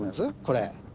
これ。